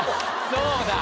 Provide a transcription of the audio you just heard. そうだ！